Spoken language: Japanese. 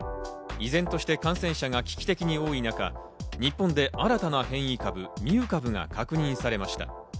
依然として感染者が危機的に多い中、日本で新たな変異株、ミュー株が確認されました。